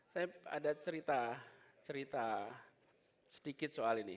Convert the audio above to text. saya ada cerita sedikit soal ini